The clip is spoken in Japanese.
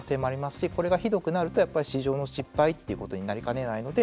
しこれがひどくなると市場の失敗となりかねないので。